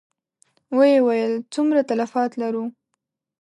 ويې ويل: څومره تلفات لرو؟